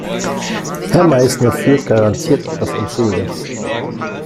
Herr Meißner führt garantiert etwas im Schilde.